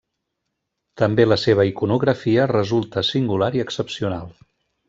També la seva iconografia resulta singular i excepcional.